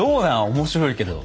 面白いけど。